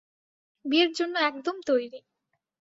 বিয়ের জন্য একদম তৈরি।